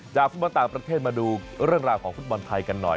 ฟุตบอลต่างประเทศมาดูเรื่องราวของฟุตบอลไทยกันหน่อย